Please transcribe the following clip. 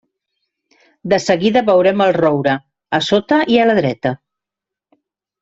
De seguida veurem el roure, a sota i a la dreta.